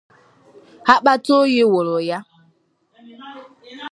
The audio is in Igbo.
akpataoyi wụrụ ya